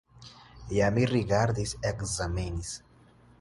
Ja mi rigardis, ekzamenis!